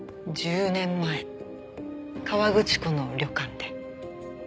１０年前河口湖の旅館で。